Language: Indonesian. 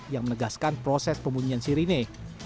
yang menegaskan proses pembunyian sirine